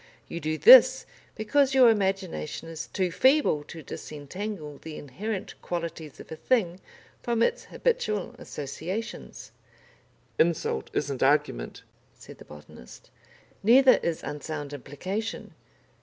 You do this because your imagination is too feeble to disentangle the inherent qualities of a thing from its habitual associations." "Insult isn't argument," said the botanist. "Neither is unsound implication.